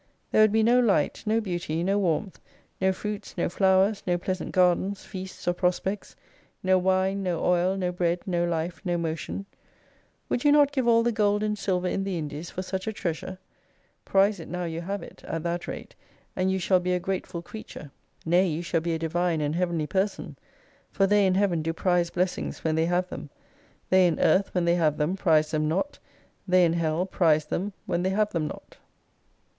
There would be no light, no beauty, no warmth, no fruits, no flowers, no pleasant gardens, feasts, or prospects, no wine, no oil, no bread, no life, no motion, NXTould you not give all the gold and silver in the Indies for such a treasure ? Prize it now you have it, at that rate, and you shall be a grateful creature : Nay, you shall be a Divine and Heavenly person. For they in Heaven do prize blessings when they have them. They in Earth when they have them prize them not, they in Hell prize them when they have them not.